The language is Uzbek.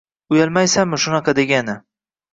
Uyalmaysanmi shunaqa degani?